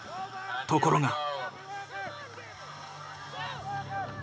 ところが。